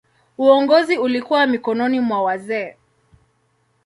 Uongozi ulikuwa mikononi mwa wazee.